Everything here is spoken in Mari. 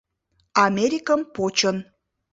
Америкым почын.